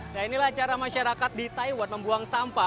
nah inilah cara masyarakat di taiwan membuang sampah